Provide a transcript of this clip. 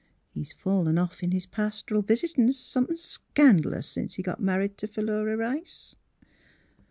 He's fallen off in his pastoral visitin' some thin' scand'lous sence he got married t' Philura Rice!